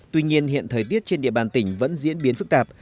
tuy nhiên hiện thời tiết trên địa bàn tỉnh vẫn diễn biến phức tạp